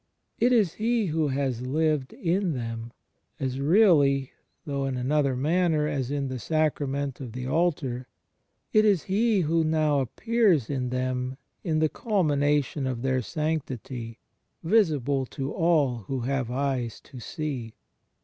It is He Who has lived in them, as really, though in another manner, as in the Sacrament of the altar; it is He Who now appears in them in the culmination of their sanctity, visible to all who have eyes to see.